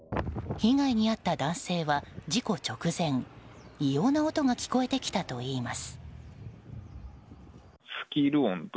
被害に遭った男性は、事故直前異様な音が聞こえてきたといいます。